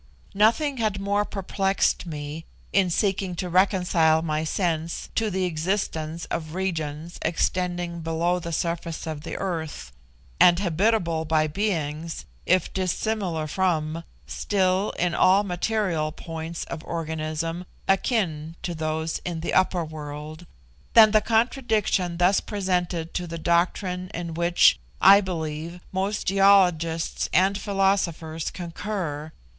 Nothing had more perplexed me in seeking to reconcile my sense to the existence of regions extending below the surface of the earth, and habitable by beings, if dissimilar from, still, in all material points of organism, akin to those in the upper world, than the contradiction thus presented to the doctrine in which, I believe, most geologists and philosophers concur viz.